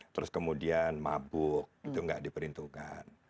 terus kemudian mabuk itu nggak diperhitungkan